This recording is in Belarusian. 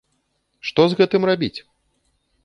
Што з гэтым рабіць?